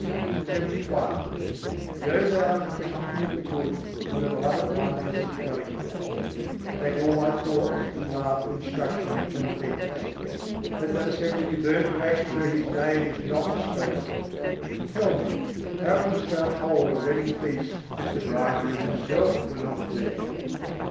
LXXI III. 13. sâdh sangat pîtam Go thou to the company of the good, where the Beloved One has His dwelling place: Take all thy thoughts and love and instruction from thence. Let that assembly be burnt to ashes where His Name is not spoken! Tell me, how couldst thou hold a wedding feast, if the bridegroom himself were not there?